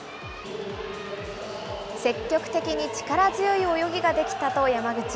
積極的に力強い泳ぎができたと山口。